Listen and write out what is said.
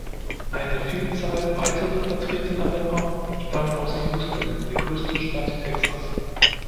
Eine Vielzahl weitere vertretener Rapper stammen aus Houston, der größten Stadt Texas.